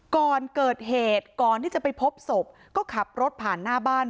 ก่อนเกิดเหตุก่อนที่จะไปพบศพก็ขับรถผ่านหน้าบ้าน